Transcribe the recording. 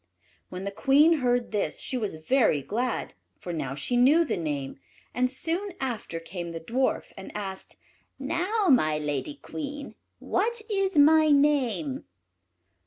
'" When the Queen heard this she was very glad, for now she knew the name; and soon after came the Dwarf, and asked, "Now, my lady Queen, what is my name?"